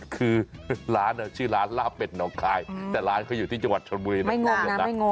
คือร้านเนาะชื่อล้านลาบเป็ดน้องคายแต่ร้านเขาอยู่ที่จังหวัดชนบุรีนะ